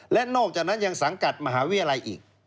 และนอกจากนั้นยังสังกัดมหาวิทยาลัยอีก